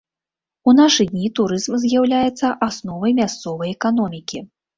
У нашы дні турызм з'яўляецца асновай мясцовай эканомікі.